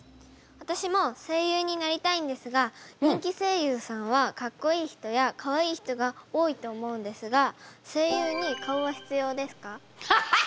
私も声優になりたいんですが人気声優さんはかっこいい人やかわいい人が多いと思うんですがハハハハハッ！